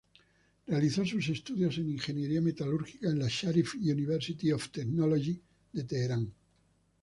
Realizó sus estudios en ingeniería metalúrgica en la Sharif University of Technology de Teherán.